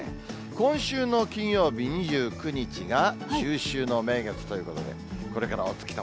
今週の金曜日２９日が中秋の名月ということで、これからお月様